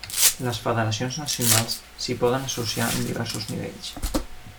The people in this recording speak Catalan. Les federacions nacionals s'hi poden associar en diversos nivells.